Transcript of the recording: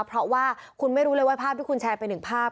เพราะว่าคุณไม่รู้เลยว่าภาพที่คุณแชร์ไปหนึ่งภาพ